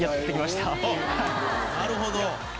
なるほど。